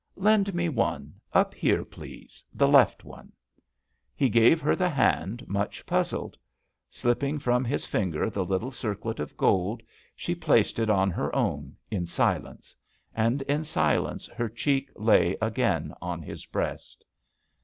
"Lend me one — ^up here, please — the left one." He gave her the hand, much puzzled. Slipping from his finger the little circlet of gold, she placed it on her own, in silence. And in silence her cheek lay again on his breast.